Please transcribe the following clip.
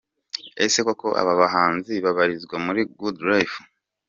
Ese koko aba bahanzi babarizwa muri Good Life?.